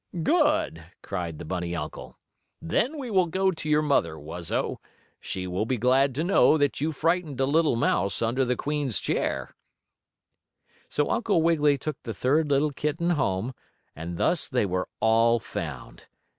"Good!" cried the bunny uncle. "Now we will go to your mother, Wuzzo. She will be glad to know that you frightened a little mouse under the Queen's chair." So Uncle Wiggily took the third little kitten home, and thus they were all found.